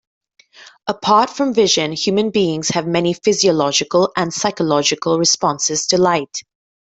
Apart from vision, human beings have many physiological and psychological responses to light.